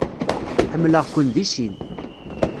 Ḥemmleɣ-ken deg sin.